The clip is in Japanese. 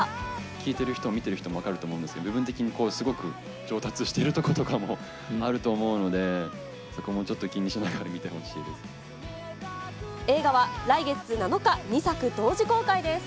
聞いてる人も見てる人も分かると思うんですけど、部分的にすごく上達してるとことかもあると思うので、そこもちょっと気にしながら見てほしいです。